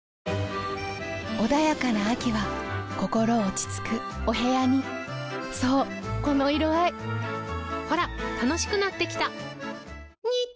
穏やかな秋は心落ち着くお部屋にそうこの色合いほら楽しくなってきた！